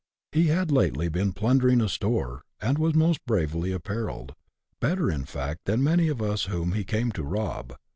He had lately been plundering a store, and was most bravely apparelled, better, in fact, than many of us whom he came to rob.